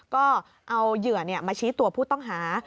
ก็เอาเหยื่อมาชี้ตัวผู้ต้องหา